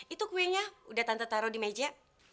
itu kuenya udah tante taruh di meja